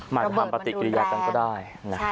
หมายถึงทำปฏิกิริยากันก็ได้